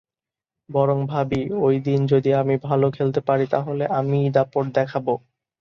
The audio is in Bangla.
বরং ভাবি, ওই দিন যদি আমি ভালো খেলতে পারি, তাহলে আমিই দাপট দেখাব।